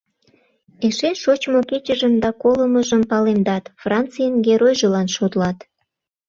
Эше шочмо кечыжым да колымыжым палемдат, Францийын геройжылан шотлат.